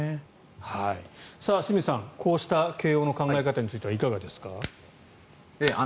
清水さん、こうした慶応の考え方についてはいかがですか。